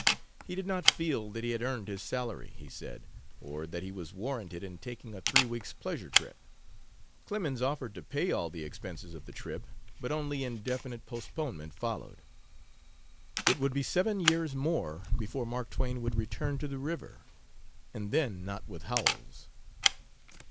He did not feel that he had earned his salary, he said, or that he was warranted in taking a three weeks' pleasure trip. Clemens offered to pay all the expenses of the trip, but only indefinite postponement followed. It would be seven years more before Mark Twain would return to the river, and then not with Howells.